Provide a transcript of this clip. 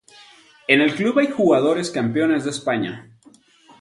En el Club hay jugadores campeones de España.